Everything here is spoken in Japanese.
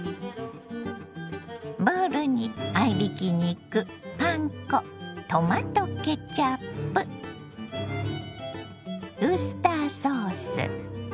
ボウルに合いびき肉パン粉トマトケチャップウスターソース